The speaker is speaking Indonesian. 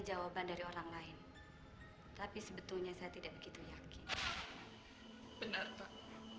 jawaban dari orang lain tapi sebetulnya saya tidak begitu yakin benar pak